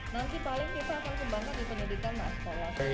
nanti paling kita akan kembangkan di pendidikan mas